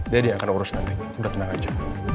deddy yang akan urus nanti udah tenang aja